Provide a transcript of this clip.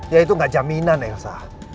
ya itu gak jaminan elsa